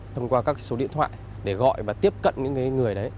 thông qua các số điện thoại để gọi và tiếp cận những người đấy